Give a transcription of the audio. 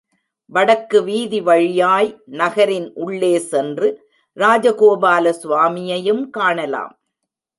வடக்கு வீதி வழியாய் நகரின் உள்ளே சென்று ராஜகோபால சுவாமியையும் காணலாம்.